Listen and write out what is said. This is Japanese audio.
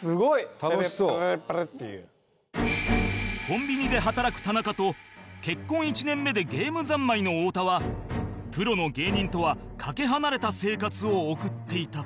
コンビニで働く田中と結婚１年目でゲームざんまいの太田はプロの芸人とはかけ離れた生活を送っていた